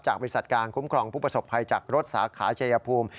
บริษัทการคุ้มครองผู้ประสบภัยจากรถสาขาชายภูมิ